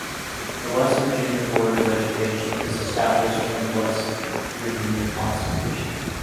The West Virginia Board of Education is established in the West Virginia Constitution.